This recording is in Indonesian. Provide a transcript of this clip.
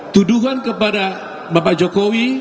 tuduhan kepada bapak jokowi